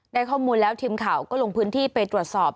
ได้ข้อมูลแล้วทีมข่าวก็ลงพื้นที่ไปตรวจสอบ